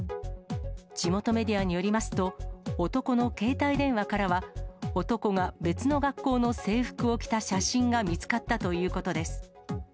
地元メディアによりますと、男の携帯電話からは、男が別の学校の制服を着た写真が見つかったということです。